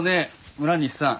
村西さん。